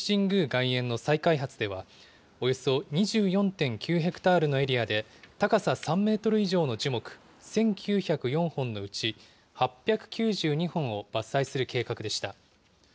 外苑の再開発では、およそ２４．９ヘクタールのエリアで高さ３メートル以上の樹木１９０４本のうち、８９２本を伐採する計画でした。